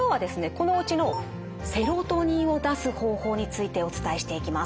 このうちのセロトニンを出す方法についてお伝えしていきます。